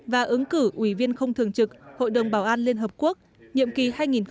và ứng cử ủy viên không thường trực hội đồng bảo an liên hợp quốc nhiệm kỳ hai nghìn hai mươi hai nghìn hai mươi một